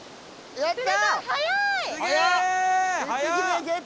やった！